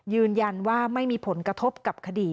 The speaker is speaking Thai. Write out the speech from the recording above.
ยืนยันว่าไม่มีผลกระทบกับคดี